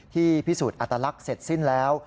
พิสูจน์อัตลักษณ์เสร็จสิ้นแล้ว